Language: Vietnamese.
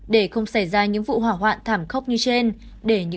để không xảy ra những vụ hỏa hoạn thảm khốc như trên những